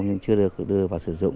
nhưng chưa được đưa vào sử dụng